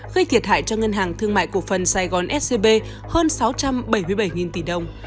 gây thiệt hại cho ngân hàng thương mại cổ phần sài gòn scb hơn sáu trăm bảy mươi bảy tỷ đồng